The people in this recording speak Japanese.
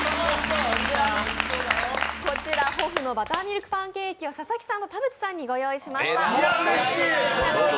バターミルクパンケーキを佐々木さんと田渕さんにご用意しました。